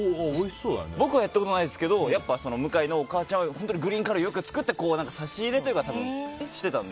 僕はやったことないですけど向井のお母ちゃんはグリーンカレーをよく作って差し入れとかしてたので。